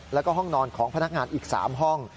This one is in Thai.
แล้วก็ห้องนอนของพนักงานอีก๓ห้อง